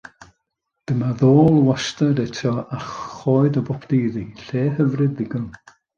Dyma ddôl wastad eto, a choed o boptu iddi, lle hyfryd ddigon.